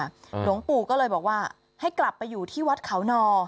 หลวงปู่ก็เลยบอกว่าให้กลับไปอยู่ที่วัดเขานอ